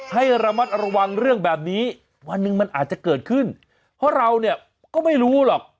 ให้ระมัดระวังเรื่องแบบนี้วันหนึ่งมันอาจจะเกิดขึ้นเพราะเราเนี่ยก็ไม่รู้หรอก